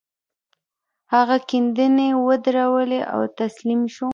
هغه کيندنې ودرولې او تسليم شو.